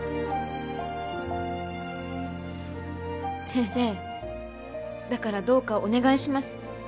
先生だからどうかお願いします。